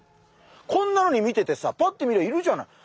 こんなのに見ててさパッと見りゃいるじゃない。